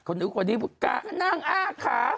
คนอื่นกว่านี้กล้านั่งอ้าขา